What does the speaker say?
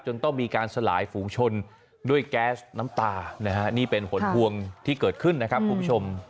ต้องมีการสลายฝูงชนด้วยแก๊สน้ำตานะฮะนี่เป็นผลพวงที่เกิดขึ้นนะครับคุณผู้ชม